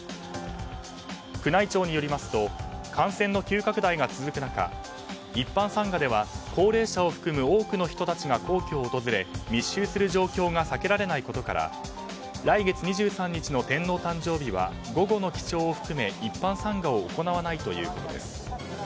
宮内庁によりますと感染の急拡大が続く中一般参賀では高齢者を含む多くの人たちが皇居を訪れ密集する状況が避けられないことから来月２３日の天皇誕生日は午後の記帳を含め一般参賀を行わないということです。